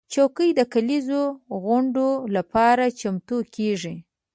چوکۍ د کليزو غونډو لپاره چمتو کېږي.